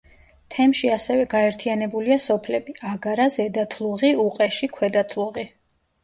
თემში ასევე გაერთიანებულია სოფლები: აგარა, ზედა თლუღი, უყეში, ქვედა თლუღი.